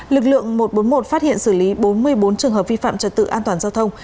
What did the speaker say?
lực lượng một trăm bốn mươi một phát hiện xử lý bốn mươi bốn trường hợp vi phạm trật tự an toàn giao thông